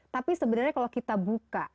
tapi sebenarnya kalau kita buka